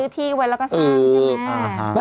ซื้อที่ไว้แล้วก็สร้างใช่ไหม